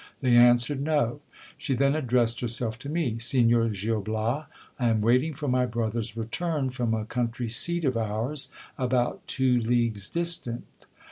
They answered, No. She then addressed herself to me : Signor Gil Bias, I am waiting for my brother's return from a country seat of ours, about two leagues distant.